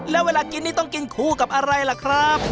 แล้วเวลากินนี่ต้องกินคู่กับอะไรล่ะครับ